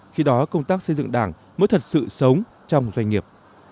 khi đó công tác xây dựng đảng mới thật sự sống trong doanh nghiệp